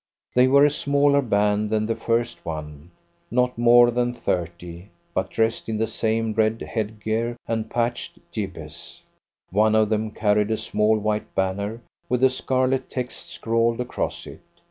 They were a smaller band than the first one not more than thirty but dressed in the same red headgear and patched jibbehs. One of them carried a small white banner with a scarlet text scrawled across it.